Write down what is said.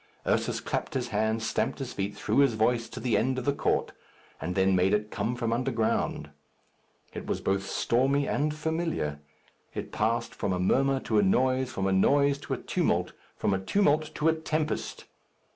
Ursus clapped his hands, stamped his feet, threw his voice to the end of the court, and then made it come from underground. It was both stormy and familiar. It passed from a murmur to a noise, from a noise to a tumult, from a tumult to a tempest.